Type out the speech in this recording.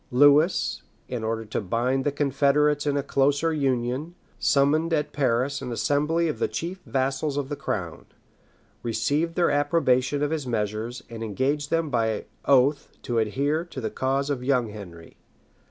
Lewis, in order to bind the confederates in a closer union, summoned at Paris an assembly of the chief vassals of the crown, received their approbation of his measures, and engaged them by oath to adhere to the cause of young Henry.